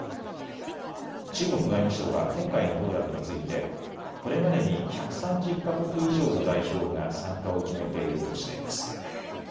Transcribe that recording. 中国外務省は今回のフォーラムについてこれまでに１３０か国以上の代表が参加を決めているとしています。